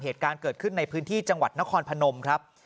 เหตุการณ์เกิดขึ้นในพื้นที่จังหวัดนครพนมครับ